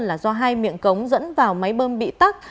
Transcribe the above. là do hai miệng cống dẫn vào máy bơm bị tắt